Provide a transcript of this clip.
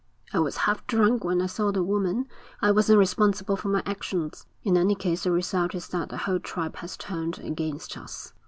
'I was half drunk when I saw the woman. I wasn't responsible for my actions.' 'In any case the result is that the whole tribe has turned against us.'